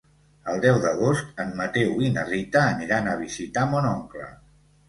El deu d'agost en Mateu i na Rita aniran a visitar mon oncle.